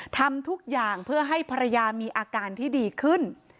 ทำทุกอย่างเพื่อให้ภรรยามีอาการที่ดีขึ้น